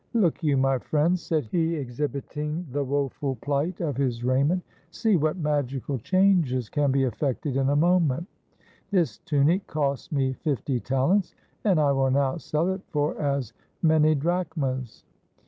"Look you, my friends," said he, exhibiting the woful pUght of his raiment, "see what magical changes can be effected in a moment! This tunic cost me fifty talents, and I will now sell it for as many drachmas."